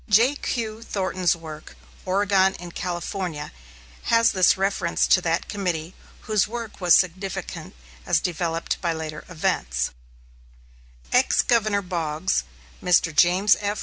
J.Q. Thornton's work, "Oregon and California," has this reference to that committee, whose work was significant as developed by later events: Ex Governor Boggs, Mr. James F.